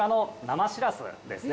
生しらす？